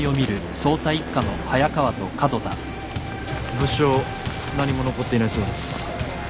物証何も残っていないそうです。